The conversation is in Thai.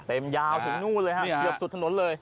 ยาวถึงนู่นเลยฮะเกือบสุดถนนเลย